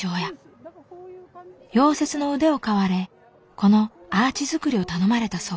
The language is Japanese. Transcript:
溶接の腕を買われこのアーチ作りを頼まれたそう。